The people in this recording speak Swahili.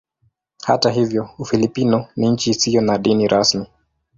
Hata hivyo Ufilipino ni nchi isiyo na dini rasmi.